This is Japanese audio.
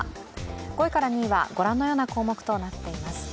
５位から２位にはご覧のような項目となっています。